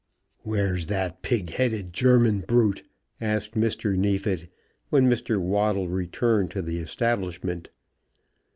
"Where's that pig headed German brute?" asked Mr. Neefit, when Mr. Waddle returned to the establishment.